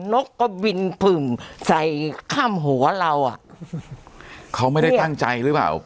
นกก็บินผึ่งใส่ข้ามหัวเราอ่ะเขาไม่ได้ตั้งใจหรือเปล่า